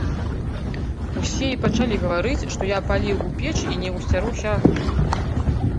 Усе і пачалі гаварыць, што я паліў у печы і не ўсцярогся агню.